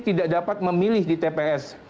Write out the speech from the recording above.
tidak dapat memilih di tps